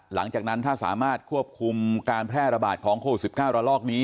หลังจากนั้นถ้าสามารถควบคุมการแพร่ระบาดของโควิด๑๙ระลอกนี้